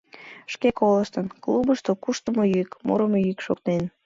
Шке колыштын: клубышто куштымо йӱк, мурымо йӱк шоктен.